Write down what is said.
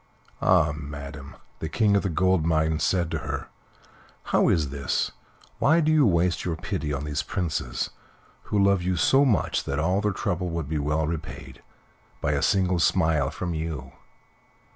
"Ah! madam," the King of the Gold Mines said to her "how is this? Why do you waste your pity on these princes, who love you so much that all their trouble would be well repaid by a single smile from you?"